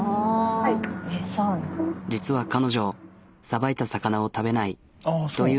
実は彼女さばいた魚を食べない。